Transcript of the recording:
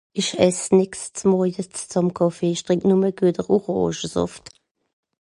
ìsch ess nix z'morjes zum kàffee ìsch trìnk numme à gueter orànge sàft